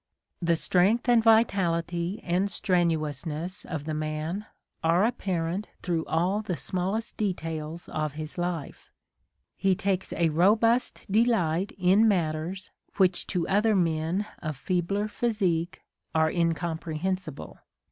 The strength and vitality and strenuousness of the man are apparent through all the smallest details of his life : he takes a robust delight in matters which to other men of feebler physique are incomprehensible.